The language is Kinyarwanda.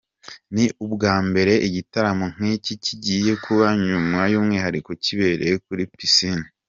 Ni ubwa mbere igitaramo nk’iki kigiye kuba by’umwihariko kibereye kuri piscine.